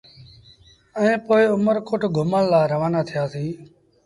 ائيٚݩ پو اُمر ڪوٽ گھمڻ لآ روآنآ ٿيٚآسيٚݩ۔